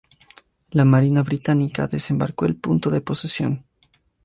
La marina británica desembarcó en el Punto de Posesión.